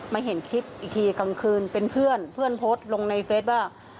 เห็นคลิปอีกทีกลางคืนเป็นเพื่อนเพื่อนโพสต์ลงในเฟสว่า